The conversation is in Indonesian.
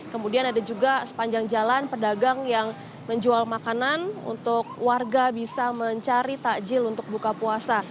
kemudian ada juga sepanjang jalan pedagang yang menjual makanan untuk warga bisa mencari takjil untuk buka puasa